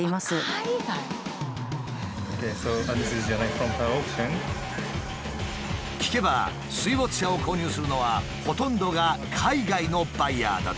聞けば水没車を購入するのはほとんどが海外のバイヤーだという。